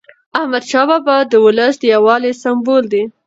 احمدشاه بابا د ولس د یووالي سمبول دی.